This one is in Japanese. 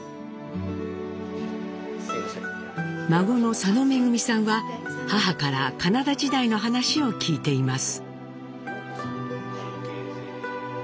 孫の佐野恵さんは母からカナダ時代の話を聞いています。